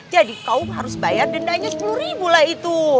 jadi kau harus bayar dendanya sepuluh ribu lah itu